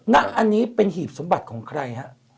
และอันนี้เป็นหีบสมบัติของใครครับ